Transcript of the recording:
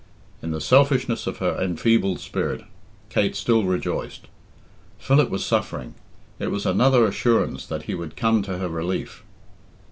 In the selfishness of her enfeebled spirit, Kate still rejoiced. Philip was suffering. It was another assurance that he would come to her relief.